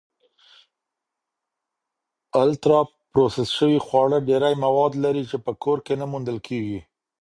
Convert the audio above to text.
الټرا پروسس شوي خواړه ډېری مواد لري چې په کور کې نه موندل کېږي.